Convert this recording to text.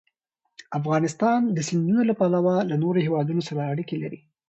افغانستان د سیندونه له پلوه له نورو هېوادونو سره اړیکې لري.